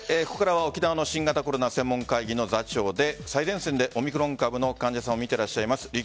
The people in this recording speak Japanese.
ここからは沖縄の新型コロナ専門会議の座長で最前線でオミクロン株の患者さんを診ていらっしゃいます